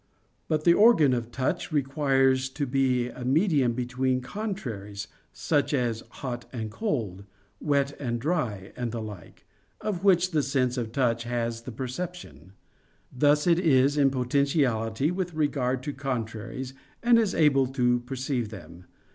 But the organ of touch requires to be a medium between contraries, such as hot and cold, wet and dry, and the like, of which the sense of touch has the perception; thus it is in potentiality with regard to contraries, and is able to perceive them.